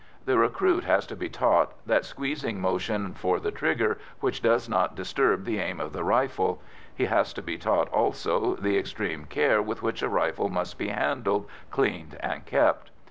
The recruit has to be taught that squeezing motion for the trigger which does not disturb the aim of the rifle; he has to be taught, also, the extreme care with which a rifle must be handled, cleaned, and kept.